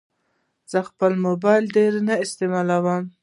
زه خپل موبایل ډېر نه استعمالوم.